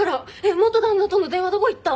元旦那との電話はどこいった？